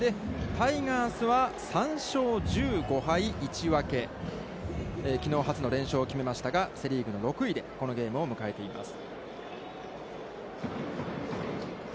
３勝２５敗、１分、きのう、初の連勝を決めましたが、セ・リーグの６位で、このゲームを迎えています。